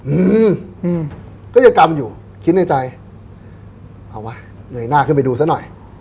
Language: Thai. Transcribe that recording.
อืมอืมก็ยังกำอยู่คิดในใจเอาวะเงยหน้าขึ้นไปดูซะหน่อย